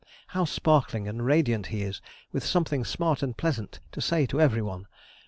How sparkling and radiant he is, with something smart and pleasant to say to every one!